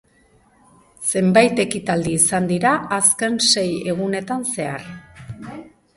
Zenbait ekitaldi izan dira azken sei egunetan zehar.